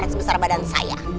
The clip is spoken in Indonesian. sebesar badan saya